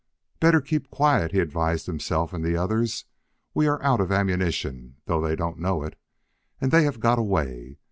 "Better keep quiet," he advised himself and the others. "We are out of ammunition, though they don't know it. And they have got away.